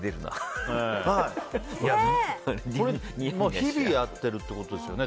日々やってるってことですよね